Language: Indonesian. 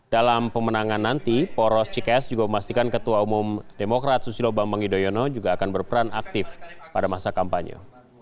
dalam pemenangan nanti poros cikes juga memastikan ketua umum demokrat susilo bambang yudhoyono juga akan berperan aktif pada masa kampanye